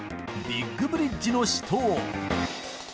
「ビッグブリッヂの死闘」